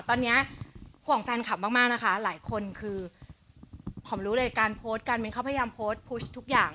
ตอนนี้ห่วงแฟนคลับมากนะคะหลายคนคือหอมรู้เลยการโพสต์การเม้นเขาพยายามโพสต์ทุกอย่าง